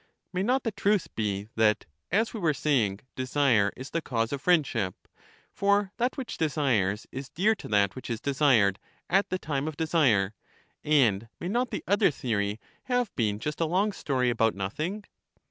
May not the truth be that, as we were saying, desire is the cause of friendship; for that which desires is dear to that which is desired at the time of desire? and may not the other theory have been just a long story about nothing?